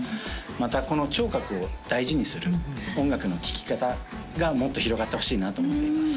またこの聴覚を大事にする音楽の聴き方がもっと広がってほしいなと思っています